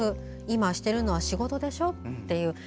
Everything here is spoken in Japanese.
今、しているのは仕事でしょっていう。